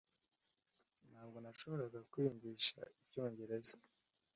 Ntabwo nashoboraga kwiyumvisha icyongereza.